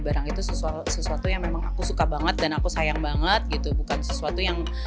barang itu sesuatu yang memang aku suka banget dan aku sayang banget gitu bukan sesuatu yang